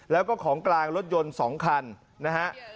แล้วก็ของกลางรถยนต์๒คันนะฮะ